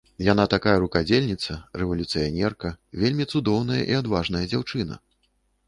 Яна такая рукадзельніца, рэвалюцыянерка, вельмі цудоўная і адважная дзяўчына.